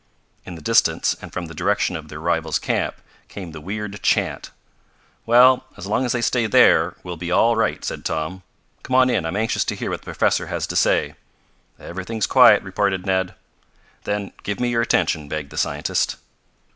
In the distance, and from the direction of their rivals' camp, came the weird chant. "Well, as long as they stay there we'll be all right," said Tom. "Come on in. I'm anxious to hear what the professor has to say." "Everything's quiet," reported Ned. "Then give me your attention," begged the scientist.